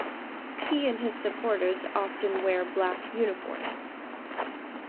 He and his supporters often wear black uniforms.